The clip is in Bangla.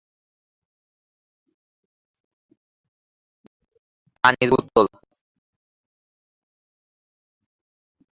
তার প্রহার ও পুনরুদ্ধারের পরে, আল-বাজ আল আরাবিয়া ও লেবাননের চ্যানেল ফিউচার টেলিভিশনে কাজ করেছিলেন।